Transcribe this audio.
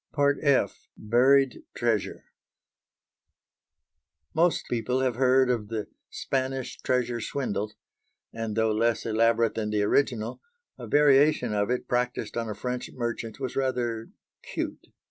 F. BURIED TREASURE Most people have heard of the "Spanish Treasure swindle" and, though less elaborate than the original, a variation of it practised on a French merchant was rather "cute."